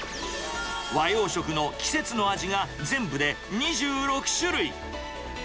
和洋食の季節の味が全部で２６種類。